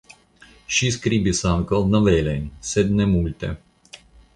Ŝi skribis ankaŭ novelojn sed ne multe.